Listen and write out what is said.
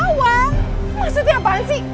maksudnya maksudnya apaan sih